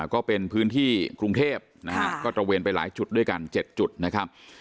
ก็เป็นพื้นที่กรุงเทพนะฮะก็ตระเวนไปหลายจุดด้วยกัน๗จุดนะครับ